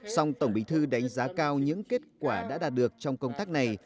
song tổng bình thư đánh giá cao những kết quả đã đạt được trong công tác này